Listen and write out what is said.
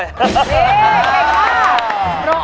เฮ้ยเก่งมาก